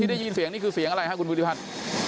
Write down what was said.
ได้ยินเสียงนี่คือเสียงอะไรครับคุณภูริพัฒน์